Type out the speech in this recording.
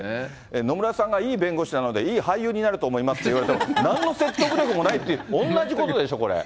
野村さんがいい弁護士なので、いい俳優になると思いますって言われても、なんの説得力もないって、同じことでしょ、これ。